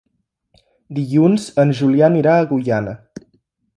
Dilluns en Julià irà a Agullana.